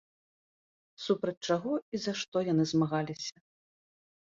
Супраць чаго і за што яны змагаліся?